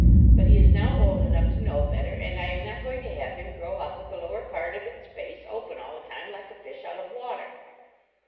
But he is now old enough to know better, and I am not going to have him grow up with the lower part of its face open all the time like a fish out of water.